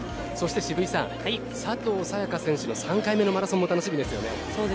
渋井さん、佐藤早也伽選手の３回目のマラソンも楽しみですね。